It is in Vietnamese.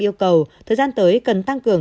yêu cầu thời gian tới cần tăng cường